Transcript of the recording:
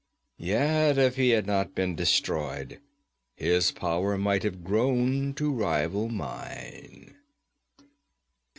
Yet if he had not been destroyed his power might have grown to rival mine.'